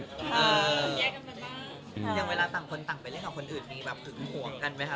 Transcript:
อย่างเวลาต่างคนต่างไปเล่นกับคนอื่นมีแบบหึงห่วงกันไหมคะ